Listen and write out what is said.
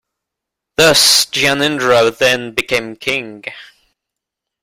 Thus Gyanendra then became king.